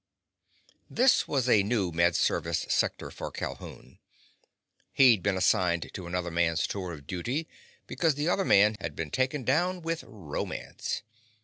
This was a new Med Service sector for Calhoun. He'd been assigned to another man's tour of duty because the other man had been taken down with romance.